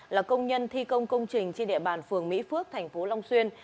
là công nhân thi công công trình trên địa bàn phường mỹ phước thành phố long xuyên